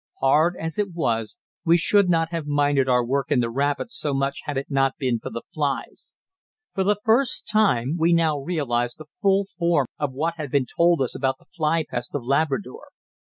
Hard as it was, we should not have minded our work in the rapids so much had it not been for the flies. For the first time we now realised the full form of what had been told us about the fly pest of Labrador.